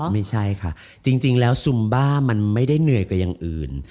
ไม่ใช่ค่ะจริงแล้วซุมบ้ามันไม่ได้เหนื่อยกว่าอย่างอื่น